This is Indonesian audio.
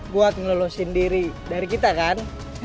gue akan lolosin diri dari kita kan